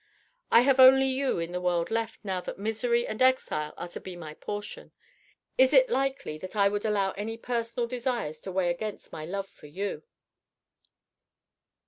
I have only you in the world left, now that misery and exile are to be my portion! Is it likely that I would allow any personal desires to weigh against my love for you?"